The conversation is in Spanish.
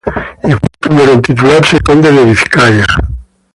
Y fue el primero en titularse Conde de Vizcaya.